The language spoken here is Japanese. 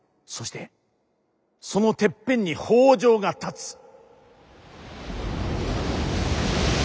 そしてそのてっぺんに北条が立つ。